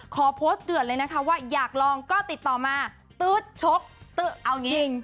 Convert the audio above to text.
ขอโพสต์เดือดเลยนะคะว่าอยากลองก็ติดต่อมาตื๊ดชกตึ๊ดเอาจริง